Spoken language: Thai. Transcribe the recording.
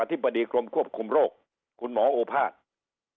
อธิบดีกรมควบคุมโรคคุณหมอโอภาษการกะวินพงศ์